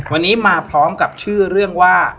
วันนี้มาพร้อมกับชื่อเรื่องว่า